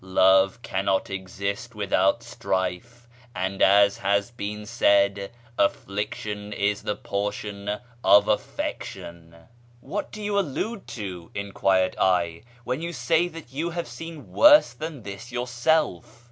Love cannot exist without strife, and, as has been said, ' affliction is the portion of dffection.' "" What do you allude to," enquired I, " when you say that you have seen worse than this yourself